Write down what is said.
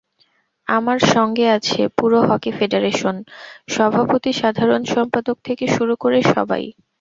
আমার সঙ্গে আছে পুরো হকি ফেডারেশন—সভাপতি, সাধারণ সম্পাদক থেকে শুরু করে সবাই।